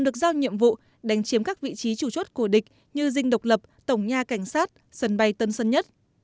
được giao nhiệm vụ đánh chiếm các vị trí chủ chốt của địch như dinh độc lập tổng nha cảnh sát sân bay tân sơn nhất